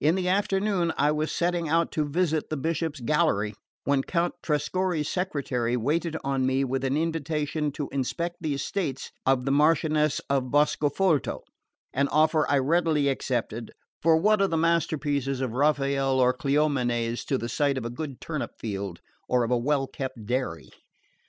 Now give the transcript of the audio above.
In the afternoon I was setting out to visit the Bishop's gallery when Count Trescorre's secretary waited on me with an invitation to inspect the estates of the Marchioness of Boscofolto: an offer I readily accepted for what are the masterpieces of Raphael or Cleomenes to the sight of a good turnip field or of a well kept dairy?